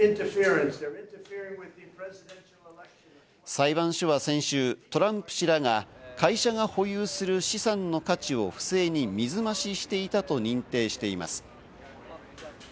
裁判所は先週、トランプ氏らが会社が保有する資産の価値を不正に水増ししていたと認定しています。